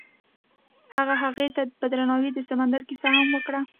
هغه هغې ته په درناوي د سمندر کیسه هم وکړه.